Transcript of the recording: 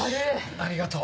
ありがとう。